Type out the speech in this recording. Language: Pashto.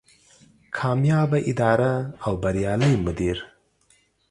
کاميابه اداره او بريالی مدير